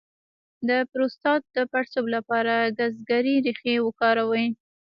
د پروستات د پړسوب لپاره د ګزګیرې ریښه وکاروئ